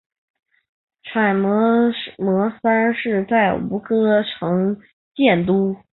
阇耶跋摩三世在吴哥城建都。